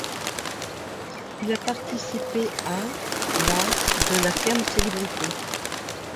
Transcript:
Il a participé à la de La Ferme Célébrités.